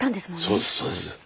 そうですそうです。